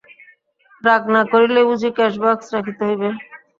রাগ না করিলেই বুঝি ক্যাশবাক্স রাখিতে হইবে?